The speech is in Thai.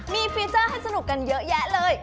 มีฟีเจอร์ให้สนุกกันเยอะแยะเลย